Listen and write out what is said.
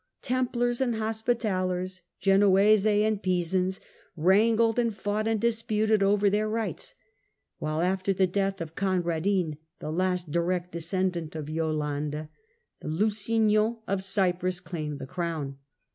Templars and Hospitallers, Genoese and Pisans, wrangled and fought and disputed over their rights, while after the death of Conradin, the last direct descendant of Yolande (see p. 216), the Lusignans of Cyprus claimed the crown.